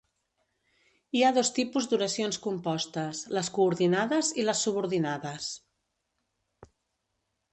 Hi ha dos tipus d'oracions compostes: les coordinades i les subordinades.